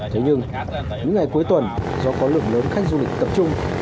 thế nhưng những ngày cuối tuần do có lượng lớn khách du lịch tập trung